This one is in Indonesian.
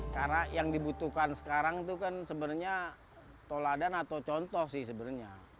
karena yang dibutuhkan sekarang itu kan sebenarnya toladan atau contoh sih sebenarnya